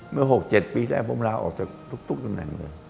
เมื่อ๖๗ปีได้ผมลาออกจากทุกตำแหน่งเลย